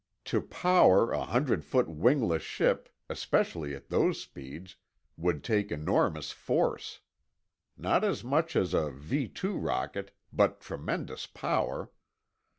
"To power a hundred foot wingless ship, especially at those speeds, would take enormous force. Not as much as a V two rocket, but tremendous power.